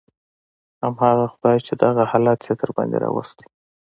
همغه خداى چې دغه حالت يې درباندې راوستى.